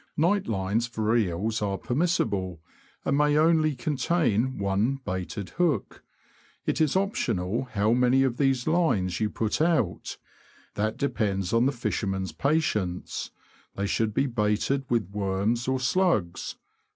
Night lines for eels are permissible, and may only contain one baited hook. It is optional how many THE FISH OF THE BROADS. . 301 of these lines you put out — that depends on the fisher man's patience ; they should be baited with worms or slugs.